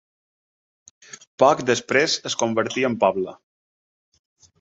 Poc després es convertí en poble.